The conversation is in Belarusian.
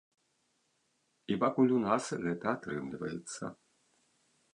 І пакуль у нас гэта атрымліваецца.